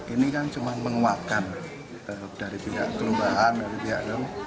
ini kan cuma menguatkan dari pihak kelurahan dari pihak